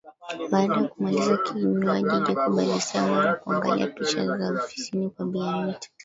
Baada ya kumaliza kinywaji Jacob alisimama na kuangalia picha za ofisini kwa bi anita